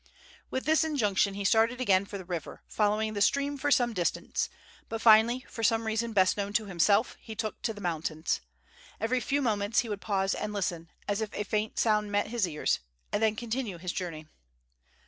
With this injunction he started again for the river, following the stream for some distance, but finally, for some reason best known to himself, took to the mountains. Every few moments he would pause and listen, as if a faint sound met his ears, and then continue his journey.